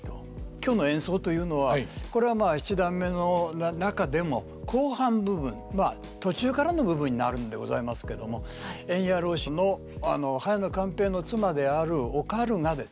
今日の演奏というのはこれはまあ七段目の中でも後半部分まあ途中からの部分になるんでございますけども塩冶浪士の早野勘平の妻であるおかるがですね